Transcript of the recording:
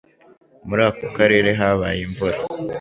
Muri ako karere habaye imvura.